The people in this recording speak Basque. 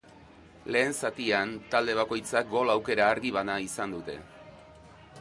Lehen zatian talde bakoitzak gol aukera argi bana izan dute.